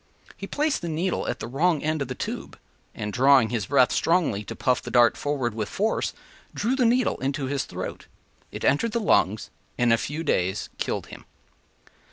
He placed the needle at the wrong end of the tube, and drawing his breath strongly to puff the dart forward with force, drew the needle into his throat. It entered the lungs, and in a few days killed him.